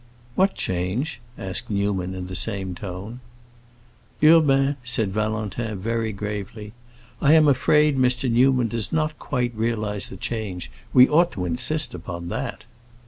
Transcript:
"What change?" asked Newman in the same tone. "Urbain," said Valentin, very gravely, "I am afraid that Mr. Newman does not quite realize the change. We ought to insist upon that."